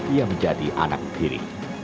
ia menjadi anak diri